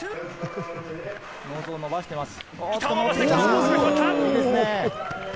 ノーズを伸ばしています。